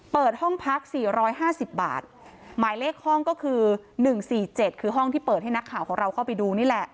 เปิดห้องพักสี่ร้อยห้าสิบบาทหมายเลขห้องก็คือ๑๔๗คือห้องที่เปิดให้นักข่าวของเราเข้าไปดูนี่แหละ